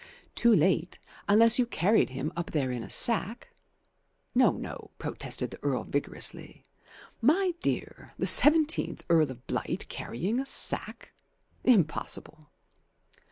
"Too late. Unless you carried him up there in a sack ?" "No, no," protested the Earl vigorously. "My dear, the seventeenth Earl of Blight carrying a sack! Impossible!"